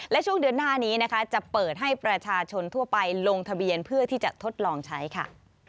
และช่วงเดือนหน้านี้นะคะจะเปิดให้ประชาชนทั่วไปลงทะเบียนเพื่อที่จะทดลองใช้ค่ะ